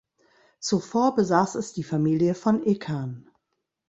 Zuvor besaß es die Familie von Ickern.